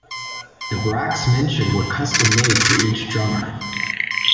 The racks mentioned were custom made for each drummer.